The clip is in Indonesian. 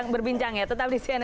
berbincang ya tetap di cnn